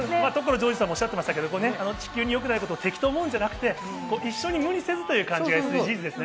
ジョージさんもおっしゃってましたけど、地球によくないことを敵と思うんじゃなくて、一緒に無理せずという感じが、ＳＤＧｓですよね。